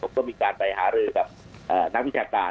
ต้องมีการไปหารือกับนักวิชาการ